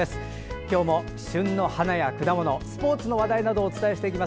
今日も旬の花や果物スポーツの話題などをお伝えしていきます。